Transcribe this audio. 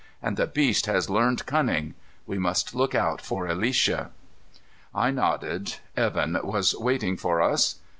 And the beast has learned cunning! We must look out for Alicia." I nodded. Evan was waiting for us.